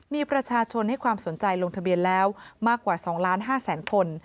มีประชาชนให้ความสนใจลงทะเบียนแล้วมากกว่า๒๕๐๐๐คน